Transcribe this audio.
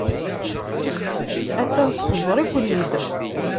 Attan txeẓẓer-iken-id.